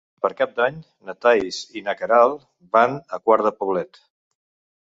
Per Cap d'Any na Thaís i na Queralt van a Quart de Poblet.